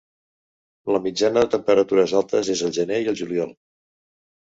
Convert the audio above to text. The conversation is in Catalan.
La mitjana de temperatures altes és al gener i al juliol.